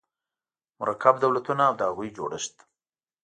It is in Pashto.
مرکب دولتونه او د هغوی جوړښت